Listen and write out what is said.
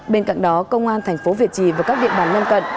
bên cạnh đó công an thành phố việt trì và các địa bàn lân cận